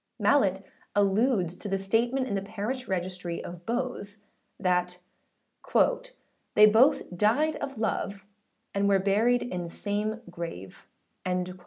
Mallet alludes to the statement in the parish registry of Bowes, that âthey both died of love, and were buried in the same grave,â &c.